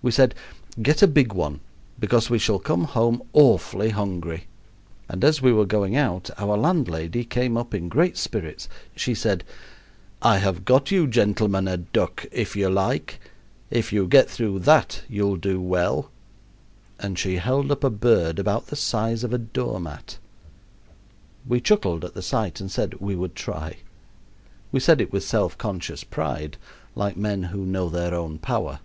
We said, "Get a big one, because we shall come home awfully hungry;" and as we were going out our landlady came up in great spirits. She said, "I have got you gentlemen a duck, if you like. If you get through that you'll do well;" and she held up a bird about the size of a door mat. We chuckled at the sight and said we would try. We said it with self conscious pride, like men who know their own power.